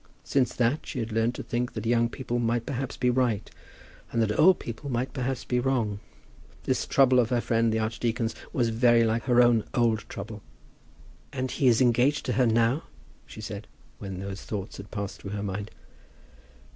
Since that she had learned to think that young people might perhaps be right, and that old people might perhaps be wrong. This trouble of her friend the archdeacon's was very like her own old trouble. "And he is engaged to her now?" she said, when those thoughts had passed through her mind.